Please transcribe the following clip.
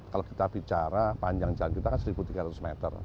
kalau kita bicara panjang jalan kita kan satu tiga ratus meter